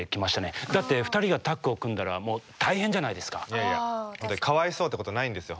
いやいやかわいそうってことないんですよ